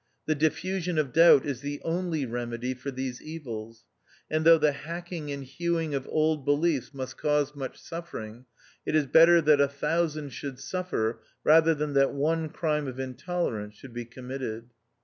The diffusion of Doubt is the only remedy for these evils ; and though the hacking and hewing of old beliefs must cause much suffering, it is better that a thousand should suffer rather than that one crime of intolerance should be com mitted.